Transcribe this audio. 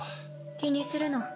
気にするな。